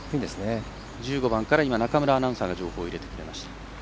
１５番から中村アナウンサーが情報を入れてくれました。